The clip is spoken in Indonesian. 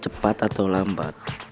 cepat atau lambat